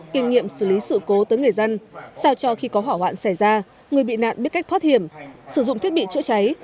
cho cho khi có hỏa hoạn xảy ra người bị nạn biết cách thoát hiểm sử dụng thiết bị chữa cháy